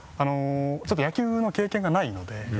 ちょっと野球の経験がないので。